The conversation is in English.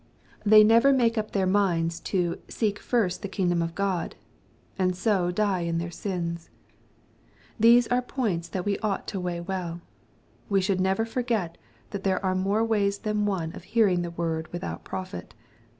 The; never make up their ininds to '' seek first the kingdom of God," — and so die in their sins. These are points that we ought to weigh well. We should never forget that there are more ways than one ol hearing the word without profit.